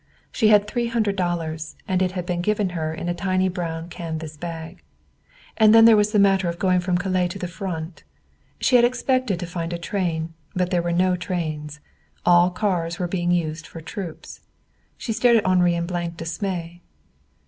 She had three hundred dollars, and it had been given her in a tiny brown canvas bag. And then there was the matter of going from Calais toward the Front. She had expected to find a train, but there were no trains. All cars were being used for troops. She stared at Henri in blank dismay.